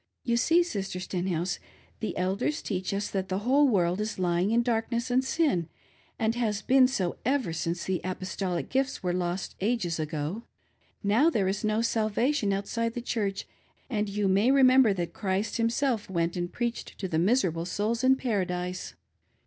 You see, Sistes Stenhouse, the Elders teach us that the whole world is lying jn ^rlcnes^ s^d pin, and has been so, ever since the apostoliq gifts were Ip^t ^ges ago. J^ow there is no salvation outside 30 490 BAPTISM AND MARRIAGE FOR THE DEAD. the Church, and you may remember that Christ Himself went and preached to the miserable souls in Paradise."